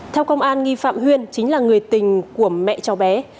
theo công an nghi phạm huyên chính là người tình của mẹ cháu bé